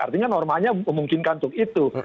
artinya normanya memungkinkan untuk itu